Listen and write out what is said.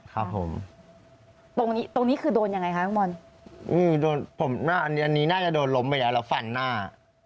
ครับผมตรงนี้ตรงนี้คือโดนยังไงคะมันอันนี้น่าจะโดนล้มไปแล้วแล้วฝั่นหน้า